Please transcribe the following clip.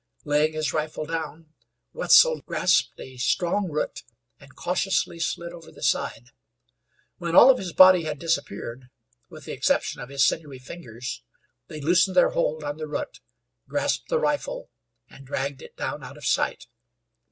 Laying his rifle down, Wetzel grasped a strong root and cautiously slid over the side. When all of his body had disappeared, with the exception of his sinewy fingers, they loosened their hold on the root, grasped the rifle, and dragged it down out of sight.